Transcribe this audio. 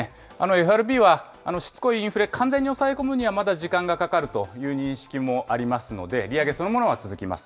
ＦＲＢはしつこいインフレ、完全に抑え込むには、まだ時間がかかるという認識もありますので、利上げそのものは続きます。